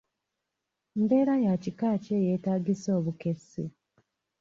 Mbeera ya kika ki eyetaagisa obukessi?